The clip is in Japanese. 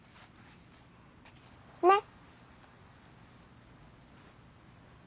ねっ。